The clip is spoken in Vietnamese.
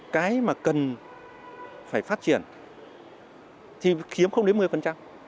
cái mà cần phải phát triển thì chiếm không đến một mươi